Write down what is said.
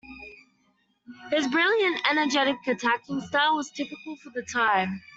His brilliant, energetic attacking style was typical for the time.